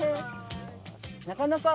なかなか。